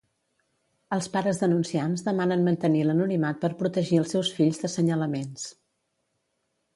Els pares denunciants demanen mantenir l'anonimat per protegir els seus fills d'assenyalaments.